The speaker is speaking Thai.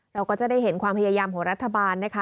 เราก็จะได้เห็นความพยายามของรัฐบาลนะคะ